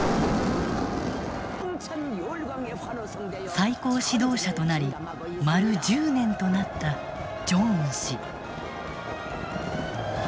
最高指導者となり丸１０年となったジョンウン氏。